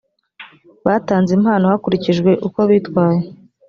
batanze impano hakurikijwe uko bitwaye